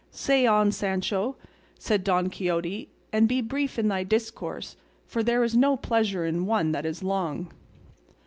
"Say, on, Sancho," said Don Quixote, "and be brief in thy discourse, for there is no pleasure in one that is long."